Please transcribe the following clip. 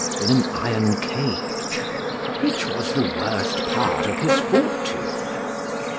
in an iron cage] which was the worst part of his fortune.